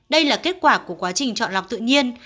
đây là kết quả của quá trình chọn lọc tự nhiên